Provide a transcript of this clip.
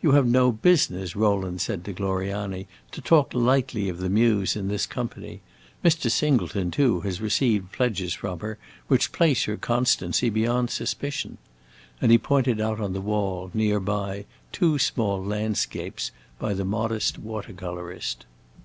"You have no business," Rowland said to Gloriani, "to talk lightly of the Muse in this company. Mr. Singleton, too, has received pledges from her which place her constancy beyond suspicion." And he pointed out on the wall, near by, two small landscapes by the modest water colorist.